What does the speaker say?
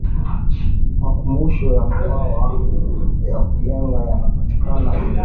makumbusho ya mkwawa ya kalenga yanapatikana iringa